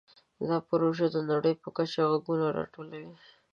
دا پروژه د نړۍ په کچه غږونه راټولوي.